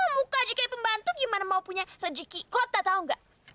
muka aja kayak pembantu gimana mau punya rezeki kota tahu gak